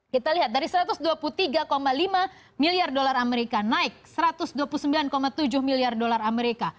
kita lihat dari satu ratus dua puluh tiga lima miliar dolar amerika naik satu ratus dua puluh sembilan tujuh miliar dolar amerika